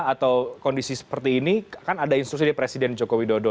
atau kondisi seperti ini kan ada instruksi dari presiden joko widodo